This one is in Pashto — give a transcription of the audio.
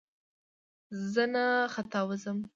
زه نه ختاوزم !